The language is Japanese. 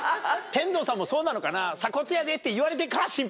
天童さんもそうなのかな？って言われてから。